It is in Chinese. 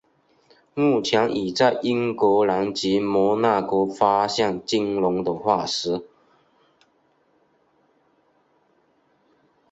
目前已在英格兰及摩纳哥发现鲸龙的化石。